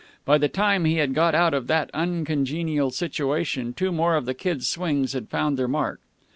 By the time he had got out of that uncongenial position, two more of the Kid's swings had found their mark.